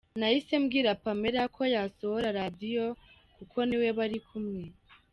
Nahise mbwira Pamela ko yasohora Radio kuko ni we bari kumwe.